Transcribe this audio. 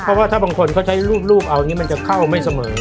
เพราะว่าถ้าบางคนเขาใช้รูปเอาอย่างนี้มันจะเข้าไม่เสมอ